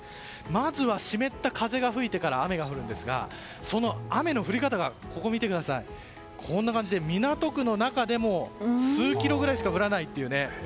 まずは湿った風が吹いてから雨が降るんですがその雨の降り方がこんな感じで港区の中でも数キロくらいしか降らないっていうね。